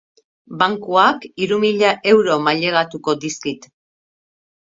Bankuak hiru mila euro mailegatuko dizkit.